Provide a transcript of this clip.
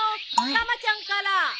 たまちゃんから。